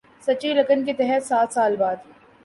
سچی لگن کے تحت سات سال بعد